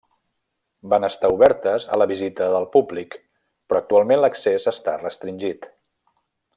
Van estar obertes a la visita del públic, però actualment l'accés està restringit.